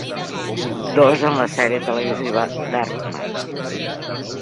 Dos en la sèrie televisiva "Dark Matter".